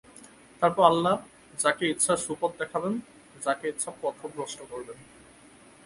তারপর আল্লাহ্ যাকে ইচ্ছা সুপথ দেখাবেন, যাকে ইচ্ছা পথভ্রষ্ট করবেন।